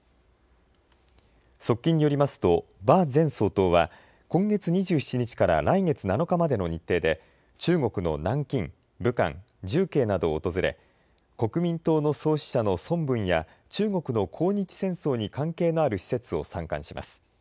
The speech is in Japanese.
側近によりますと馬前総統は今月２７日から来月７日までの日程で中国の南京、武漢、重慶などを訪れ国民党の創始者の孫文や中国の抗日戦争に関係のある施設を参観します。